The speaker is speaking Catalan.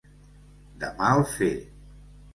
De mal fer.